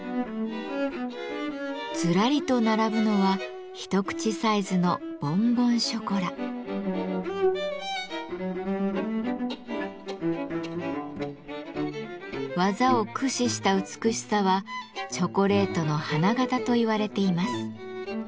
ずらりと並ぶのは一口サイズの技を駆使した美しさはチョコレートの花形と言われています。